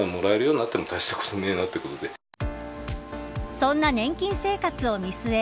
そんな年金生活を見据え